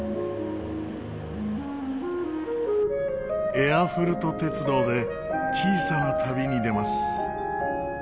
エアフルト鉄道で小さな旅に出ます。